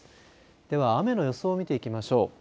では雨の予想を見ていきましょう。